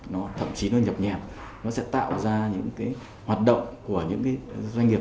nó thậm chí nó nhập nhèm nó sẽ tạo ra những cái hoạt động của những cái doanh nghiệp